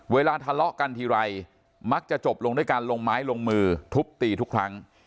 เวลาทะเลาะกันทีไรมักจะจบลงด้วยการลงไม้ลงมือทุบตีทุกครั้ง